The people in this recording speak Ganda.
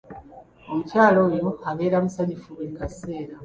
Omukyala oyo abeera musanyufu buli kaseera.